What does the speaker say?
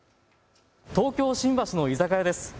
東京新橋の居酒屋です。